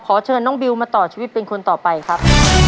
เชิญน้องบิวมาต่อชีวิตเป็นคนต่อไปครับ